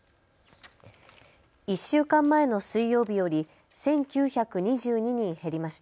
１週間前の水曜日より１９２２人減りました。